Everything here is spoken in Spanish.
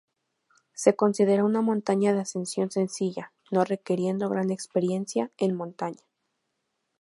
Se considera una montaña de ascensión sencilla, no requiriendo gran experiencia en montaña.